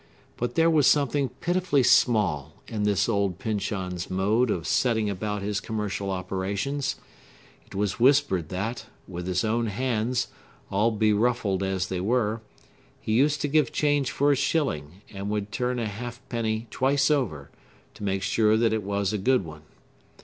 But there was something pitifully small in this old Pyncheon's mode of setting about his commercial operations; it was whispered, that, with his own hands, all beruffled as they were, he used to give change for a shilling, and would turn a half penny twice over, to make sure that it was a good one.